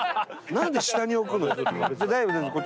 何で下に置くの？